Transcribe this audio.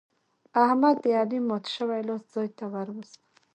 احمد د علي مات شوی لاس ځای ته ور ووست.